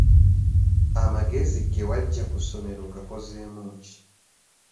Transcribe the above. Amagezi ge waggya ku ssomero ogakozeemu ki?